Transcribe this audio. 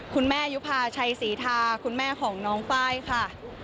ยุภาชัยศรีทาคุณแม่ของน้องไฟล์ค่ะ